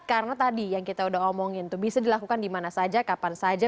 karena tadi yang kita udah omongin tuh bisa dilakukan dimana saja kapan saja